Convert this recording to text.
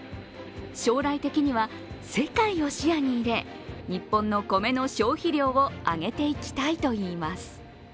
将来的には世界を視野に入れ、日本の米の消費量を上げていきたいといいます。